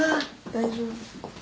大丈夫。